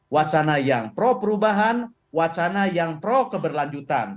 wacana yang pro perubahan wacana yang pro keberlanjutan